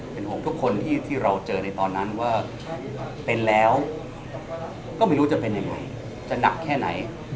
เป็นห่วงทุกคนที่เราเจอในตอนนั้นว่าเป็นแล้วก็ไม่รู้จะเป็นยังไงจะหนักแค่ไหน